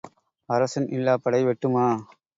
அரசன் இல்லாப் படை வெட்டுமா?